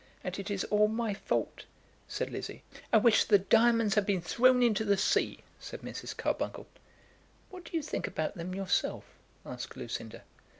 "And it is all my fault," said Lizzie. "I wish the diamonds had been thrown into the sea," said Mrs. Carbuncle. "What do you think about them yourself?" asked Lucinda.